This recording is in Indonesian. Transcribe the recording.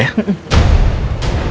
ya udah tunggu sini ya